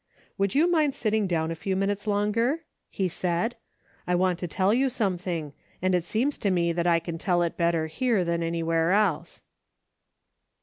" Would you mind sitting down a few min utes longer?" he said. "I want to tell you something, and it seems to me that I can tell it better here than anywhere else."